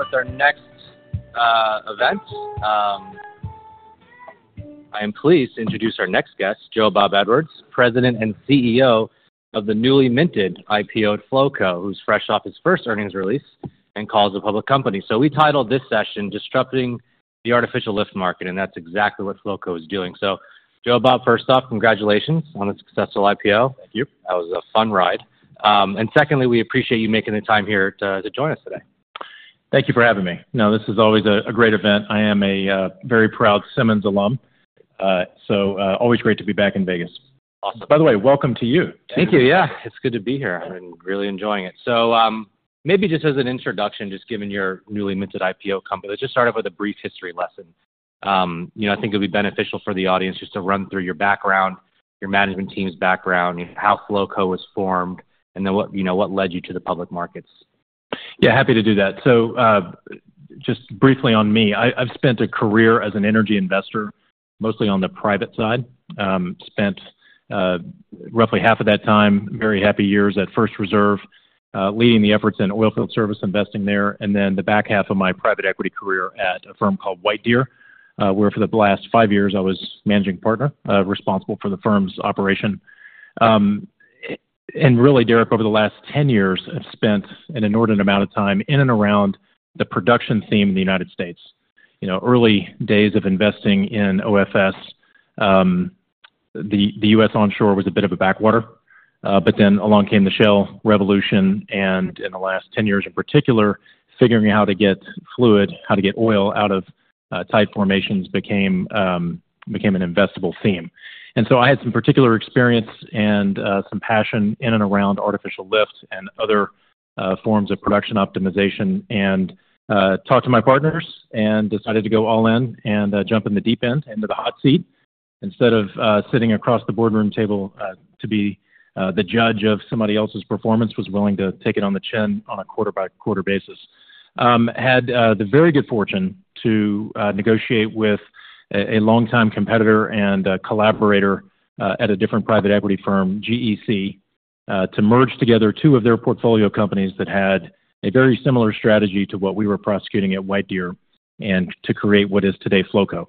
With our next event, I am pleased to introduce our next guest, Joe Bob Edwards, President and CEO of the newly minted IPO at Flowco, who's fresh off his first earnings release and calls a public company. We titled this session, "Disrupting the Artificial Lift Market," and that's exactly what Flowco is doing. Joe Bob, first off, congratulations on the successful IPO. Thank you. That was a fun ride. Secondly, we appreciate you making the time here to join us today. Thank you for having me. No, this is always a great event. I am a very proud Simmons alum. Always great to be back in Vegas. Awesome. By the way, welcome to you. Thank you. Yeah, it's good to be here. I've been really enjoying it. Maybe just as an introduction, just given your newly minted IPO company, let's just start off with a brief history lesson. I think it'll be beneficial for the audience just to run through your background, your management team's background, how Flowco was formed, and then what led you to the public markets. Yeah, happy to do that. Just briefly on me, I've spent a career as an energy investor, mostly on the private side. Spent roughly half of that time, very happy years at First Reserve, leading the efforts in oilfield service investing there. The back half of my private equity career was at a firm called White Deer, where for the last five years I was managing partner, responsible for the firm's operation. Really, Derek, over the last 10 years, I've spent an inordinate amount of time in and around the production theme in the United States. Early days of investing in OFS, the U.S. onshore was a bit of a backwater. Along came the shale revolution, and in the last 10 years in particular, figuring out how to get fluid, how to get oil out of tight formations became an investable theme. I had some particular experience and some passion in and around artificial lift and other forms of production optimization, and talked to my partners and decided to go all in and jump in the deep end, into the hot seat, instead of sitting across the boardroom table to be the judge of somebody else's performance, was willing to take it on the chin on a quarter-by-quarter basis. Had the very good fortune to negotiate with a longtime competitor and collaborator at a different private equity firm, GEC, to merge together two of their portfolio companies that had a very similar strategy to what we were prosecuting at White Deer and to create what is today Flowco.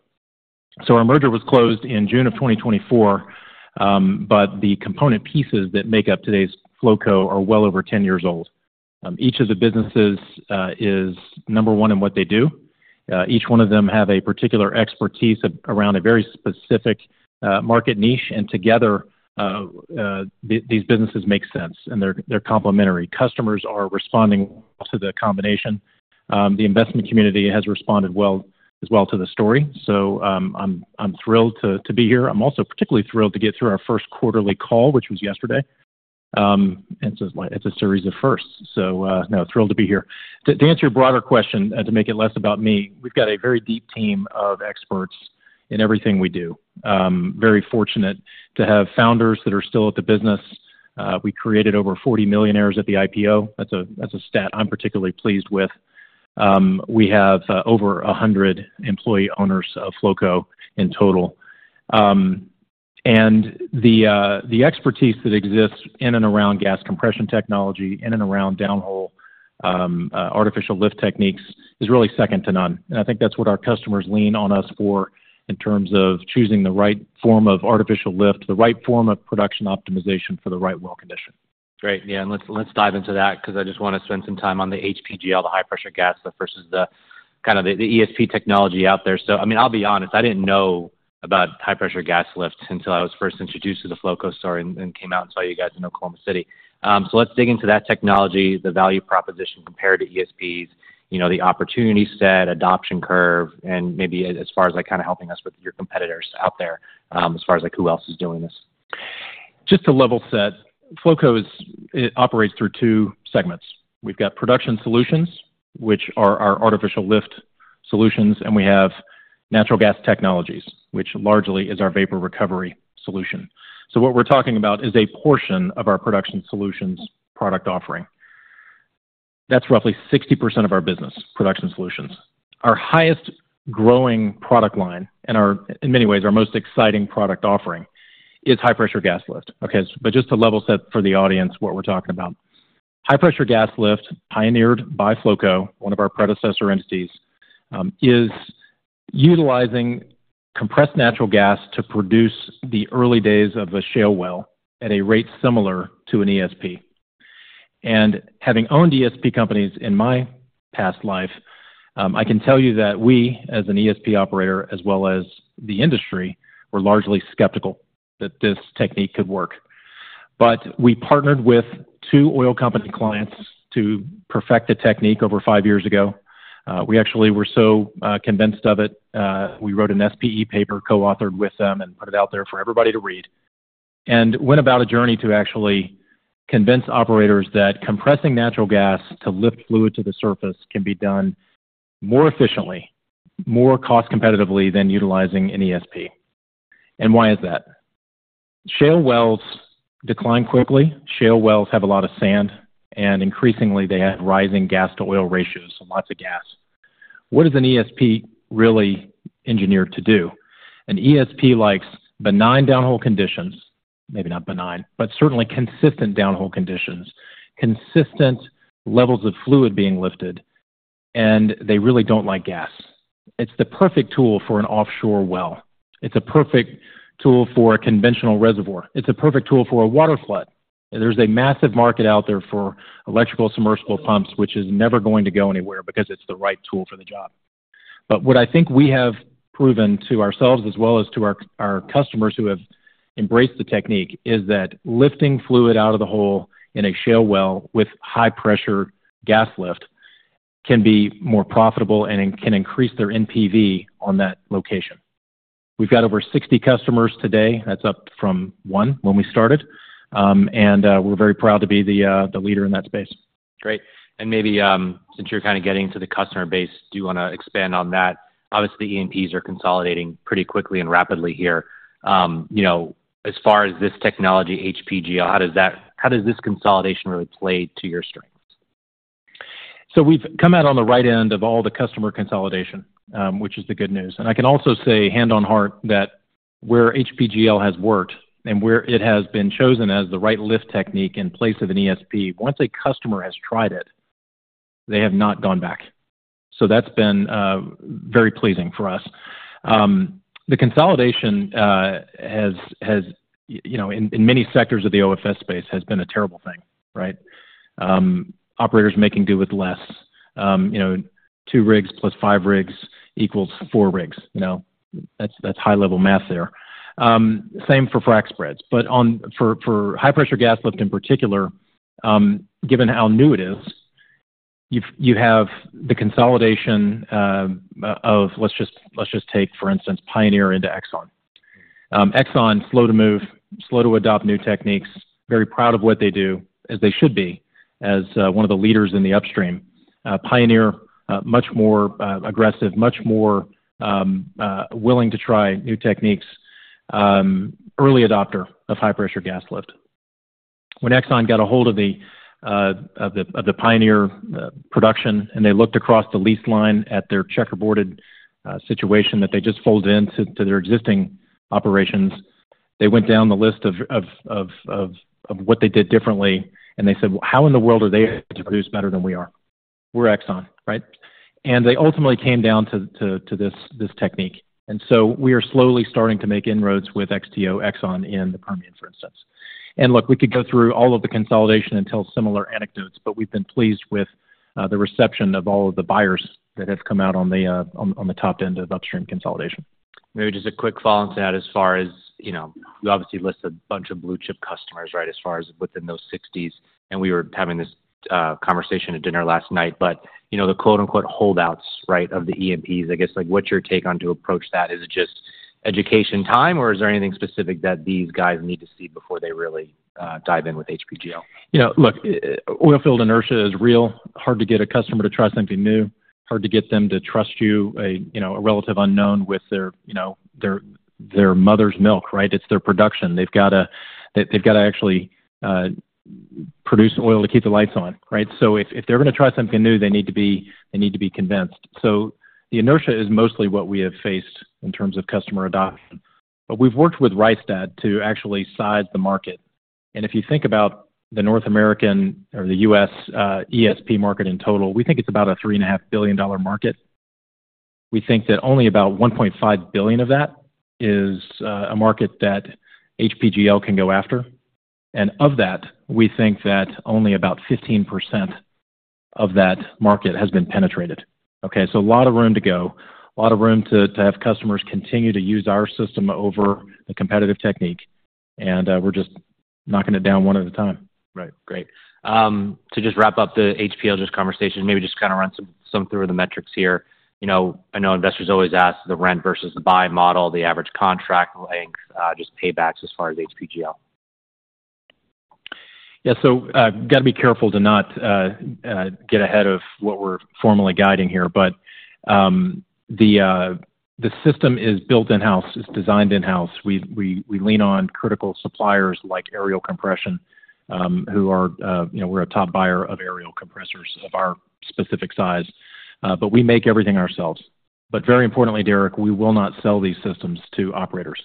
Our merger was closed in June of 2024, but the component pieces that make up today's Flowco are well over 10 years old. Each of the businesses is number one in what they do. Each one of them has a particular expertise around a very specific market niche, and together these businesses make sense, and they're complementary. Customers are responding well to the combination. The investment community has responded well as well to the story. I'm thrilled to be here. I'm also particularly thrilled to get through our first quarterly call, which was yesterday. It's a series of firsts. Thrilled to be here. To answer your broader question, to make it less about me, we've got a very deep team of experts in everything we do. Very fortunate to have founders that are still at the business. We created over 40 millionaires at the IPO. That's a stat I'm particularly pleased with. We have over 100 employee owners of Flowco in total. The expertise that exists in and around gas compression technology, in and around downhole artificial lift techniques is really second to none. I think that's what our customers lean on us for in terms of choosing the right form of artificial lift, the right form of production optimization for the right well condition. Great. Yeah. Let's dive into that because I just want to spend some time on the HPGL, the high-pressure gas lift versus the kind of the ESP technology out there. I mean, I'll be honest, I didn't know about high-pressure gas lift until I was first introduced to the Flowco story and came out and saw you guys in Oklahoma City. Let's dig into that technology, the value proposition compared to ESPs, the opportunity set, adoption curve, and maybe as far as like kind of helping us with your competitors out there, as far as like who else is doing this. Just to level set, Flowco operates through two segments. We've got production solutions, which are our artificial lift solutions, and we have natural gas technologies, which largely is our vapor recovery solution. What we're talking about is a portion of our production solutions product offering. That's roughly 60% of our business, production solutions. Our highest growing product line and in many ways our most exciting product offering is high-pressure gas lift. Just to level set for the audience what we're talking about. High-pressure gas lift pioneered by Flowco, one of our predecessor entities, is utilizing compressed natural gas to produce the early days of a shale well at a rate similar to an ESP. Having owned ESP companies in my past life, I can tell you that we as an ESP operator, as well as the industry, were largely skeptical that this technique could work. We partnered with two oil company clients to perfect the technique over five years ago. We actually were so convinced of it, we wrote an SPE paper co-authored with them and put it out there for everybody to read, and went about a journey to actually convince operators that compressing natural gas to lift fluid to the surface can be done more efficiently, more cost competitively than utilizing an ESP. Why is that? Shale wells decline quickly. Shale wells have a lot of sand, and increasingly they have rising gas to oil ratios, so lots of gas. What is an ESP really engineered to do? An ESP likes benign downhole conditions, maybe not benign, but certainly consistent downhole conditions, consistent levels of fluid being lifted, and they really don't like gas. It's the perfect tool for an offshore well. It's a perfect tool for a conventional reservoir. It's a perfect tool for a water flood. There's a massive market out there for electrical submersible pumps, which is never going to go anywhere because it's the right tool for the job. What I think we have proven to ourselves as well as to our customers who have embraced the technique is that lifting fluid out of the hole in a shale well with high-pressure gas lift can be more profitable and can increase their NPV on that location. We've got over 60 customers today. That's up from one when we started. We're very proud to be the leader in that space. Great. Maybe since you're kind of getting to the customer base, do you want to expand on that? Obviously, the E&Ps are consolidating pretty quickly and rapidly here. As far as this technology, HPGL, how does this consolidation really play to your strengths? We have come out on the right end of all the customer consolidation, which is the good news. I can also say hand on heart that where HPGL has worked and where it has been chosen as the right lift technique in place of an ESP, once a customer has tried it, they have not gone back. That has been very pleasing for us. The consolidation in many sectors of the OFS space has been a terrible thing, right? Operators making do with less. Two rigs plus five rigs equals four rigs. That is high-level math there. Same for frag spreads. For high-pressure gas lift in particular, given how new it is, you have the consolidation of, let's just take for instance, Pioneer into Exxon. Exxon, slow to move, slow to adopt new techniques, very proud of what they do, as they should be, as one of the leaders in the upstream. Pioneer, much more aggressive, much more willing to try new techniques, early adopter of high-pressure gas lift. When Exxon got a hold of the Pioneer production and they looked across the lease line at their checkerboarded situation that they just folded into their existing operations, they went down the list of what they did differently and they said, "How in the world are they able to produce better than we are? We're Exxon, right?" They ultimately came down to this technique. We are slowly starting to make inroads with XTO, Exxon in the Permian, for instance. Look, we could go through all of the consolidation and tell similar anecdotes, but we've been pleased with the reception of all of the buyers that have come out on the top end of upstream consolidation. Maybe just a quick follow-up to that as far as you obviously list a bunch of blue-chip customers, right, as far as within those 60s. We were having this conversation at dinner last night, but the "holdouts," right, of the E&Ps, I guess, what's your take on to approach that? Is it just education time or is there anything specific that these guys need to see before they really dive in with HPGL? Look, oilfield inertia is real. Hard to get a customer to try something new. Hard to get them to trust you, a relative unknown, with their mother's milk, right? It's their production. They've got to actually produce oil to keep the lights on, right? If they're going to try something new, they need to be convinced. The inertia is mostly what we have faced in terms of customer adoption. We've worked with Rystad to actually size the market. If you think about the North American or the U.S. ESP market in total, we think it's about a $3.5 billion market. We think that only about $1.5 billion of that is a market that HPGL can go after. Of that, we think that only about 15% of that market has been penetrated. Okay. A lot of room to go, a lot of room to have customers continue to use our system over the competitive technique. We're just knocking it down one at a time. Right. Great. To just wrap up the HPGL conversation, maybe just kind of run some through of the metrics here. I know investors always ask the rent versus the buy model, the average contract length, just paybacks as far as HPGL. Yeah. Got to be careful to not get ahead of what we're formally guiding here. The system is built in-house, is designed in-house. We lean on critical suppliers like Ariel Compression, who are—we're a top buyer of aerial compressors of our specific size. We make everything ourselves. Very importantly, Derek, we will not sell these systems to operators.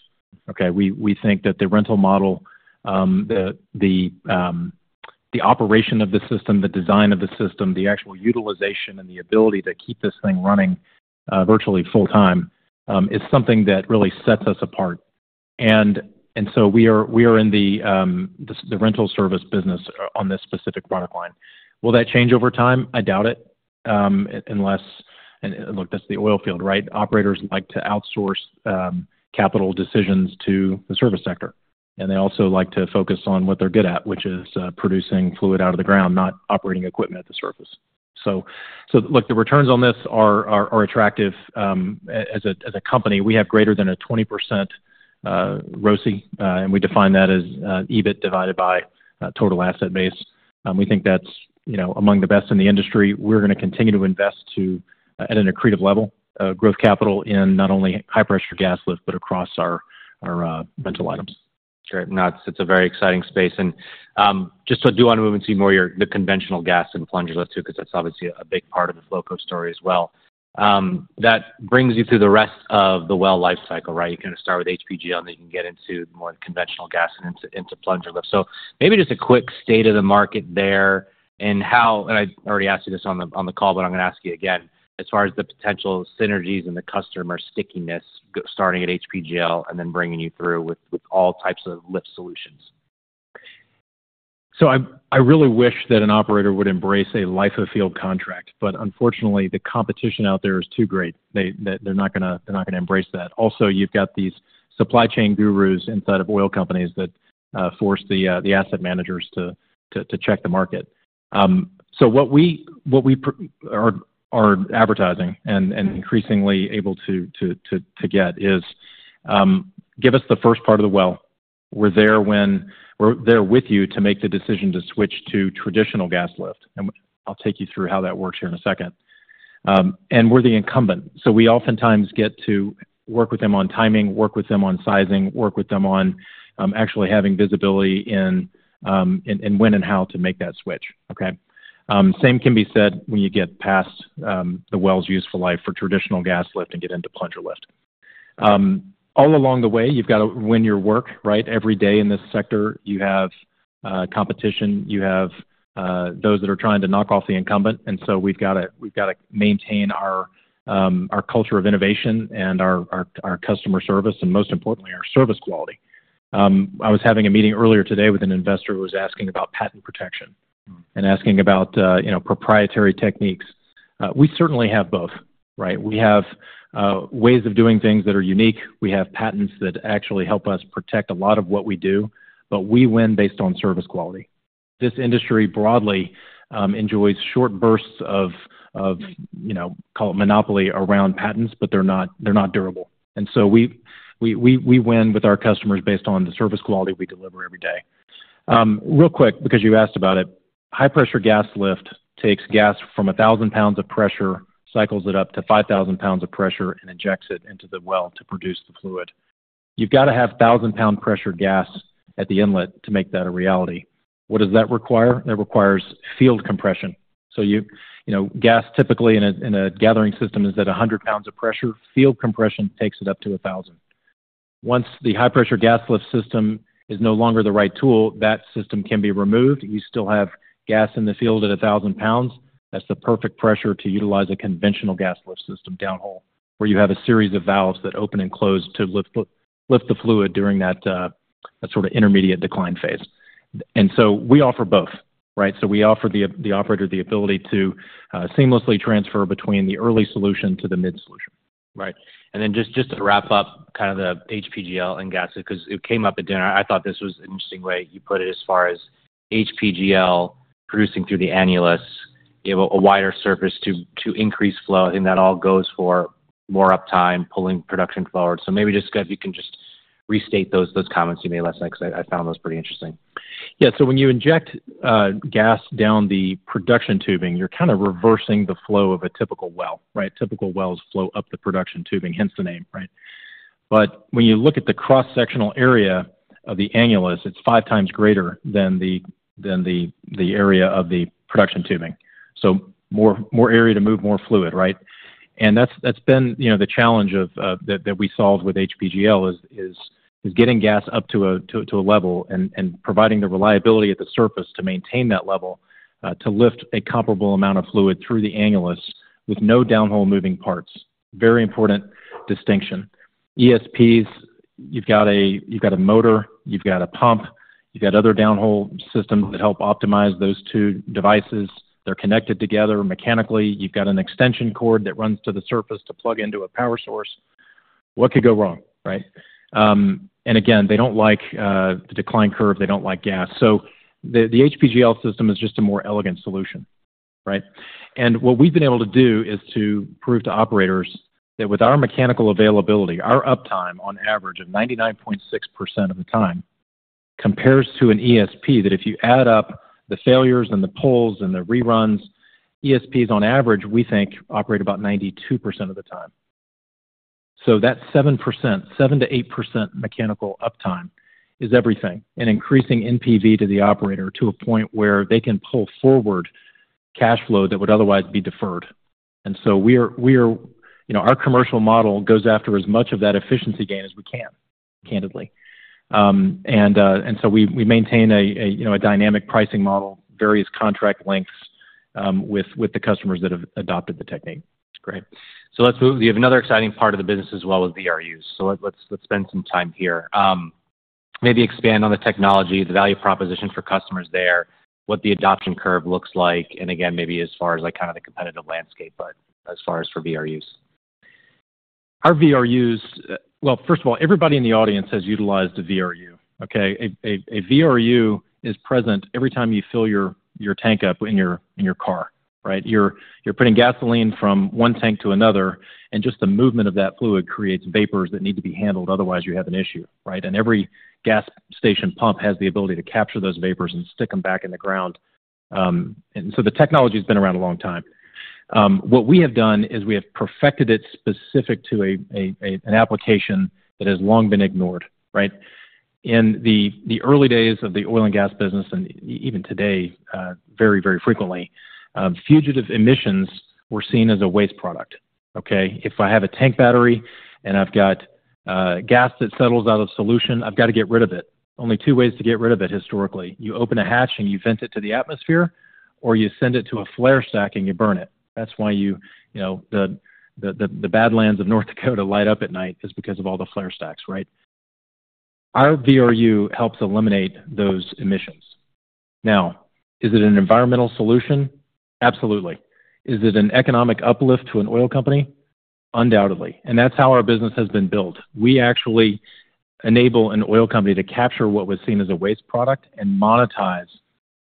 Okay. We think that the rental model, the operation of the system, the design of the system, the actual utilization and the ability to keep this thing running virtually full-time is something that really sets us apart. We are in the rental service business on this specific product line. Will that change over time? I doubt it. Look, that's the oilfield, right? Operators like to outsource capital decisions to the service sector. They also like to focus on what they're good at, which is producing fluid out of the ground, not operating equipment at the surface. Look, the returns on this are attractive as a company. We have greater than a 20% ROCE, and we define that as EBIT divided by total asset base. We think that's among the best in the industry. We're going to continue to invest at an accretive level of growth capital in not only high-pressure gas lift, but across our rental items. Great. No, it's a very exciting space. I do want to move into more your conventional gas and plunger lift too, because that's obviously a big part of the Flowco story as well. That brings you through the rest of the well life cycle, right? You kind of start with HPGL, then you can get into more conventional gas and into plunger lift. Maybe just a quick state of the market there and how, and I already asked you this on the call, but I'm going to ask you again, as far as the potential synergies and the customer stickiness starting at HPGL and then bringing you through with all types of lift solutions. I really wish that an operator would embrace a life of field contract. Unfortunately, the competition out there is too great. They're not going to embrace that. Also, you've got these supply chain gurus inside of oil companies that force the asset managers to check the market. What we are advertising and increasingly able to get is, "Give us the first part of the well. We're there with you to make the decision to switch to traditional gas lift." I'll take you through how that works here in a second. We're the incumbent. We oftentimes get to work with them on timing, work with them on sizing, work with them on actually having visibility in when and how to make that switch. The same can be said when you get past the well's useful life for traditional gas lift and get into plunger lift. All along the way, you've got to win your work, right? Every day in this sector, you have competition, you have those that are trying to knock off the incumbent. We have to maintain our culture of innovation and our customer service and most importantly, our service quality. I was having a meeting earlier today with an investor who was asking about patent protection and asking about proprietary techniques. We certainly have both, right? We have ways of doing things that are unique. We have patents that actually help us protect a lot of what we do, but we win based on service quality. This industry broadly enjoys short bursts of, call it monopoly around patents, but they're not durable. We win with our customers based on the service quality we deliver every day. Real quick, because you asked about it, high-pressure gas lift takes gas from 1,000 pounds of pressure, cycles it up to 5,000 pounds of pressure, and injects it into the well to produce the fluid. You've got to have 1,000-pound pressure gas at the inlet to make that a reality. What does that require? That requires field compression. Gas typically in a gathering system is at 100 pounds of pressure. Field compression takes it up to 1,000. Once the high-pressure gas lift system is no longer the right tool, that system can be removed. You still have gas in the field at 1,000 pounds. That's the perfect pressure to utilize a conventional gas lift system downhole where you have a series of valves that open and close to lift the fluid during that sort of intermediate decline phase. We offer both, right? We offer the operator the ability to seamlessly transfer between the early solution to the mid solution, right? Just to wrap up kind of the HPGL and gas lift, because it came up at dinner, I thought this was an interesting way you put it as far as HPGL producing through the annulus, a wider surface to increase flow. I think that all goes for more uptime, pulling production forward. Maybe just if you can just restate those comments to me last night because I found those pretty interesting. Yeah. When you inject gas down the production tubing, you're kind of reversing the flow of a typical well, right? Typical wells flow up the production tubing, hence the name, right? When you look at the cross-sectional area of the annulus, it's five times greater than the area of the production tubing. More area to move more fluid, right? That's been the challenge that we solved with HPGL, getting gas up to a level and providing the reliability at the surface to maintain that level to lift a comparable amount of fluid through the annulus with no downhole moving parts. Very important distinction. ESPs, you've got a motor, you've got a pump, you've got other downhole systems that help optimize those two devices. They're connected together mechanically. You've got an extension cord that runs to the surface to plug into a power source. What could go wrong, right? Again, they don't like the decline curve. They don't like gas. The HPGL system is just a more elegant solution, right? What we've been able to do is to prove to operators that with our mechanical availability, our uptime on average of 99.6% of the time compares to an ESP that if you add up the failures and the pulls and the reruns, ESPs on average, we think, operate about 92% of the time. That 7%-8% mechanical uptime is everything and increasing NPV to the operator to a point where they can pull forward cash flow that would otherwise be deferred. Our commercial model goes after as much of that efficiency gain as we can, candidly. We maintain a dynamic pricing model, various contract lengths with the customers that have adopted the technique. Great. Let's move. You have another exciting part of the business as well with VRUs. Let's spend some time here. Maybe expand on the technology, the value proposition for customers there, what the adoption curve looks like, and again, maybe as far as kind of the competitive landscape, but as far as for VRUs. Our VRUs, first of all, everybody in the audience has utilized a VRU, okay? A VRU is present every time you fill your tank up in your car, right? You're putting gasoline from one tank to another, and just the movement of that fluid creates vapors that need to be handled. Otherwise, you have an issue, right? Every gas station pump has the ability to capture those vapors and stick them back in the ground. The technology has been around a long time. What we have done is we have perfected it specific to an application that has long been ignored, right? In the early days of the oil and gas business, and even today, very, very frequently, fugitive emissions were seen as a waste product, okay? If I have a tank battery and I've got gas that settles out of solution, I've got to get rid of it. Only two ways to get rid of it historically. You open a hatch and you vent it to the atmosphere, or you send it to a flare stack and you burn it. That's why the badlands of North Dakota light up at night is because of all the flare stacks, right? Our VRU helps eliminate those emissions. Now, is it an environmental solution? Absolutely. Is it an economic uplift to an oil company? Undoubtedly. That's how our business has been built. We actually enable an oil company to capture what was seen as a waste product and monetize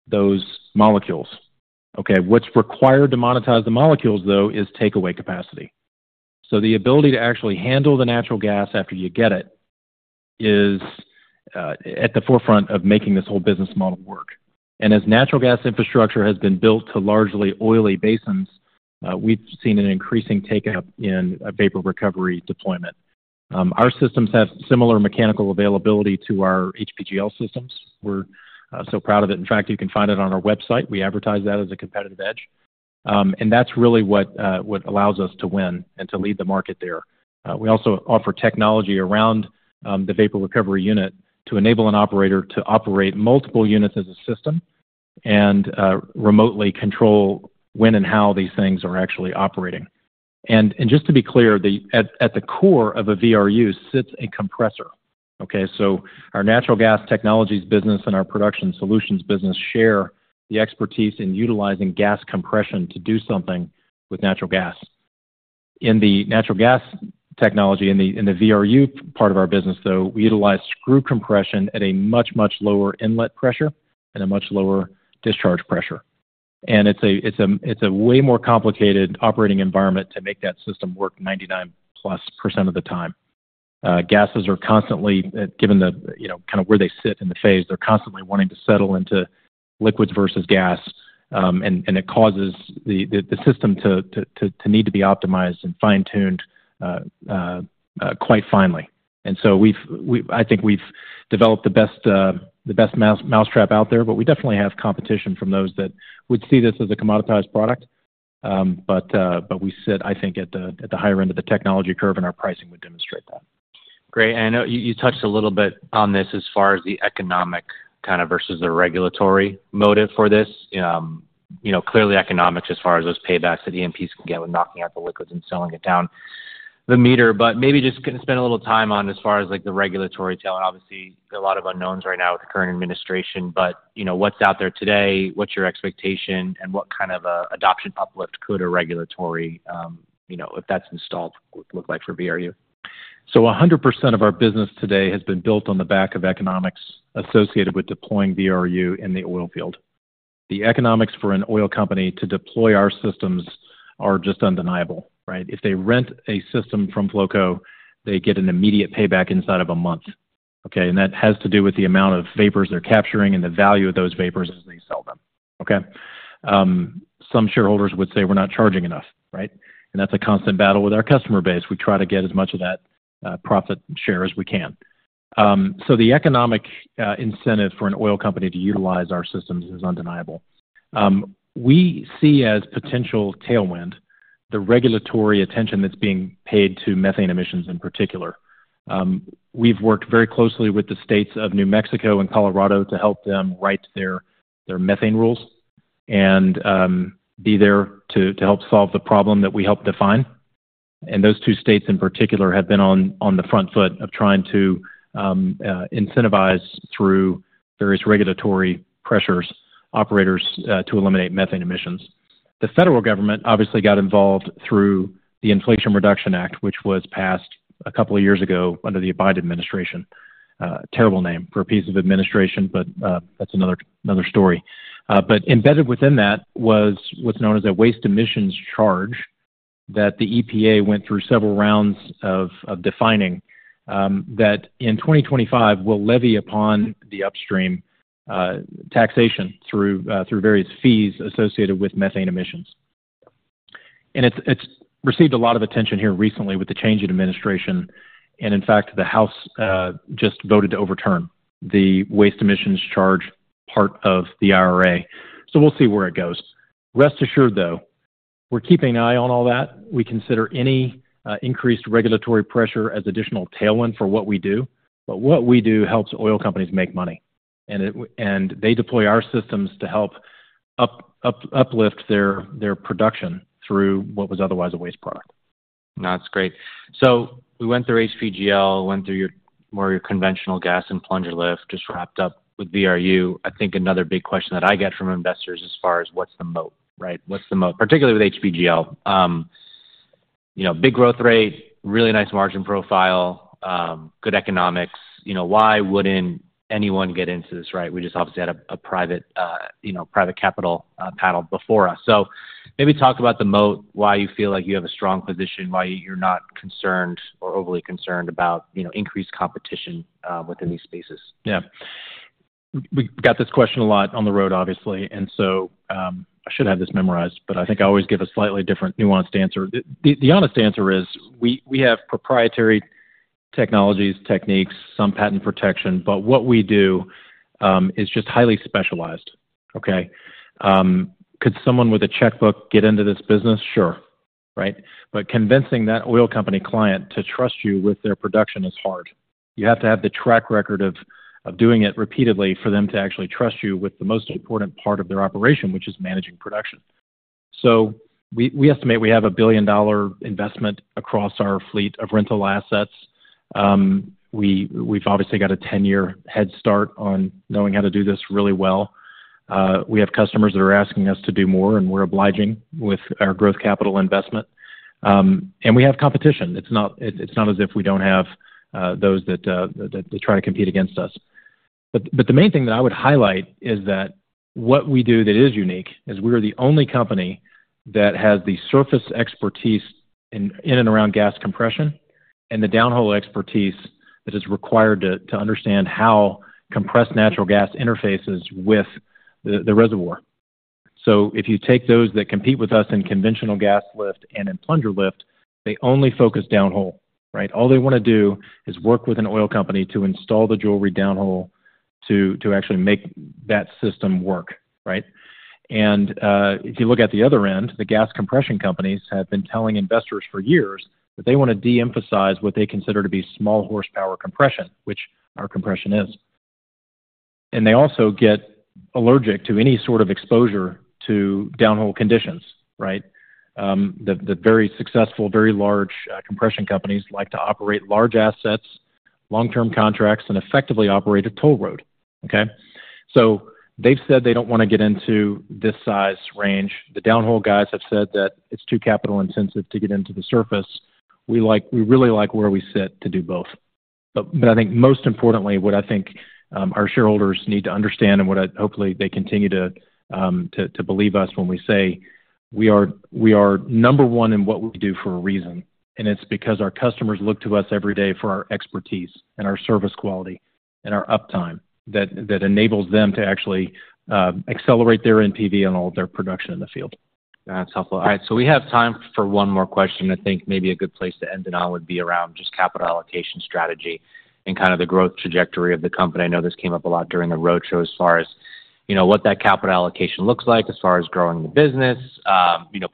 those molecules. Okay. What's required to monetize the molecules, though, is takeaway capacity. The ability to actually handle the natural gas after you get it is at the forefront of making this whole business model work. As natural gas infrastructure has been built to largely oily basins, we've seen an increasing take-up in vapor recovery deployment. Our systems have similar mechanical availability to our HPGL systems. We're so proud of it. In fact, you can find it on our website. We advertise that as a competitive edge. That is really what allows us to win and to lead the market there. We also offer technology around the vapor recovery unit to enable an operator to operate multiple units as a system and remotely control when and how these things are actually operating. Just to be clear, at the core of a VRU sits a compressor, okay? Our natural gas technologies business and our production solutions business share the expertise in utilizing gas compression to do something with natural gas. In the natural gas technology, in the VRU part of our business, though, we utilize screw compression at a much, much lower inlet pressure and a much lower discharge pressure. It's a way more complicated operating environment to make that system work 99%+ of the time. Gases are constantly, given kind of where they sit in the phase, they're constantly wanting to settle into liquids versus gas, and it causes the system to need to be optimized and fine-tuned quite finely. I think we've developed the best mousetrap out there, but we definitely have competition from those that would see this as a commoditized product. We sit, I think, at the higher end of the technology curve, and our pricing would demonstrate that. Great. I know you touched a little bit on this as far as the economic kind of versus the regulatory motive for this. Clearly, economics as far as those paybacks that E&Ps can get with knocking out the liquids and selling it down the meter. Maybe just spend a little time on as far as the regulatory tale. Obviously, a lot of unknowns right now with the current administration, but what's out there today, what's your expectation, and what kind of adoption uplift could a regulatory, if that's installed, look like for VRU? 100% of our business today has been built on the back of economics associated with deploying VRU in the oil field. The economics for an oil company to deploy our systems are just undeniable, right? If they rent a system from Flowco, they get an immediate payback inside of a month, okay? That has to do with the amount of vapors they're capturing and the value of those vapors as they sell them, okay? Some shareholders would say, "We're not charging enough," right? That's a constant battle with our customer base. We try to get as much of that profit share as we can. The economic incentive for an oil company to utilize our systems is undeniable. We see as potential tailwind the regulatory attention that's being paid to methane emissions in particular. We've worked very closely with the states of New Mexico and Colorado to help them write their methane rules and be there to help solve the problem that we helped define. Those two states in particular have been on the front foot of trying to incentivize through various regulatory pressures operators to eliminate methane emissions. The federal government obviously got involved through the Inflation Reduction Act, which was passed a couple of years ago under the Biden administration. Terrible name for a piece of administration, but that's another story. Embedded within that was what's known as a waste emissions charge that the EPA went through several rounds of defining that in 2025 will levy upon the upstream taxation through various fees associated with methane emissions. It's received a lot of attention here recently with the change in administration. In fact, the House just voted to overturn the waste emissions charge part of the IRA. We will see where it goes. Rest assured, though, we are keeping an eye on all that. We consider any increased regulatory pressure as additional tailwind for what we do. What we do helps oil companies make money. They deploy our systems to help uplift their production through what was otherwise a waste product. No, that's great. We went through HPGL, went through more of your conventional gas and plunger lift, just wrapped up with VRU. I think another big question that I get from investors as far as what's the moat, right? What's the moat, particularly with HPGL? Big growth rate, really nice margin profile, good economics. Why wouldn't anyone get into this, right? We just obviously had a private capital panel before us. Maybe talk about the moat, why you feel like you have a strong position, why you're not concerned or overly concerned about increased competition within these spaces. Yeah. We've got this question a lot on the road, obviously. I should have this memorized, but I think I always give a slightly different nuanced answer. The honest answer is we have proprietary technologies, techniques, some patent protection, but what we do is just highly specialized, okay? Could someone with a checkbook get into this business? Sure, right? Convincing that oil company client to trust you with their production is hard. You have to have the track record of doing it repeatedly for them to actually trust you with the most important part of their operation, which is managing production. We estimate we have a $1 billion investment across our fleet of rental assets. We've obviously got a 10-year head start on knowing how to do this really well. We have customers that are asking us to do more, and we're obliging with our growth capital investment. We have competition. It's not as if we don't have those that try to compete against us. The main thing that I would highlight is that what we do that is unique is we're the only company that has the surface expertise in and around gas compression and the downhole expertise that is required to understand how compressed natural gas interfaces with the reservoir. If you take those that compete with us in conventional gas lift and in plunger lift, they only focus downhole, right? All they want to do is work with an oil company to install the jewelry downhole to actually make that system work, right? If you look at the other end, the gas compression companies have been telling investors for years that they want to de-emphasize what they consider to be small horsepower compression, which our compression is. They also get allergic to any sort of exposure to downhole conditions, right? The very successful, very large compression companies like to operate large assets, long-term contracts, and effectively operate a toll road, okay? They have said they do not want to get into this size range. The downhole guys have said that it is too capital-intensive to get into the surface. We really like where we sit to do both. I think most importantly, what I think our shareholders need to understand and what hopefully they continue to believe us when we say we are number one in what we do for a reason. Our customers look to us every day for our expertise and our service quality and our uptime that enables them to actually accelerate their NPV and all of their production in the field. That's helpful. All right. We have time for one more question. I think maybe a good place to end it all would be around just capital allocation strategy and kind of the growth trajectory of the company. I know this came up a lot during the roadshow as far as what that capital allocation looks like, as far as growing the business.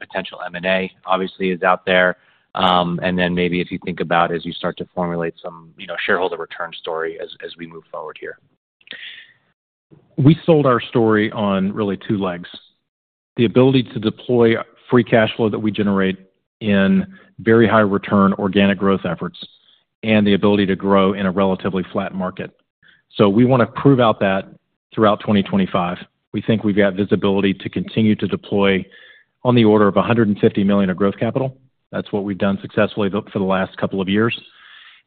Potential M&A, obviously, is out there. Then maybe if you think about as you start to formulate some shareholder return story as we move forward here. We sold our story on really two legs: the ability to deploy free cash flow that we generate in very high-return organic growth efforts and the ability to grow in a relatively flat market. We want to prove out that throughout 2025. We think we've got visibility to continue to deploy on the order of $150 million of growth capital. That's what we've done successfully for the last couple of years.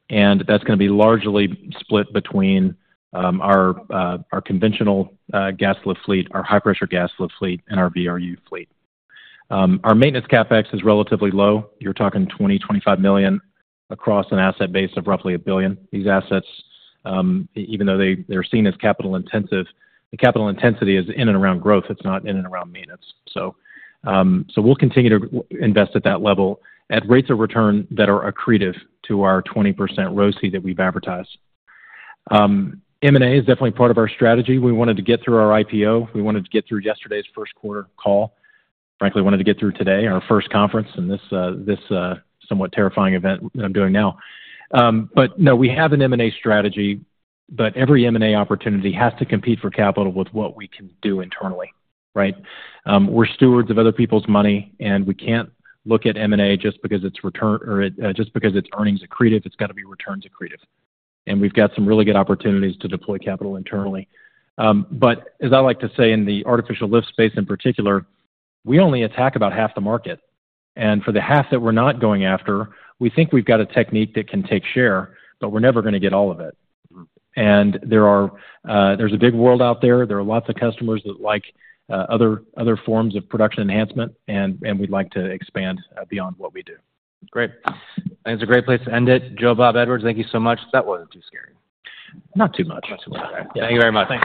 That's going to be largely split between our conventional gas lift fleet, our high-pressure gas lift fleet, and our VRU fleet. Our maintenance CapEx is relatively low. You're talking $20 million-$25 million across an asset base of roughly $1 billion. These assets, even though they're seen as capital-intensive, the capital intensity is in and around growth. It's not in and around maintenance. We will continue to invest at that level at rates of return that are accretive to our 20% ROCE that we have advertised. M&A is definitely part of our strategy. We wanted to get through our IPO. We wanted to get through yesterday's first quarter call. Frankly, we wanted to get through today, our first conference and this somewhat terrifying event that I am doing now. No, we have an M&A strategy, but every M&A opportunity has to compete for capital with what we can do internally, right? We are stewards of other people's money, and we cannot look at M&A just because it is return or just because its earnings are accretive. It has to be returns accretive. We have some really good opportunities to deploy capital internally. As I like to say in the artificial lift space in particular, we only attack about half the market. For the half that we're not going after, we think we've got a technique that can take share, but we're never going to get all of it. There is a big world out there. There are lots of customers that like other forms of production enhancement, and we'd like to expand beyond what we do. Great. I think it's a great place to end it. Joe Bob Edwards, thank you so much. That wasn't too scary. Not too much. Not too much. Thank you very much.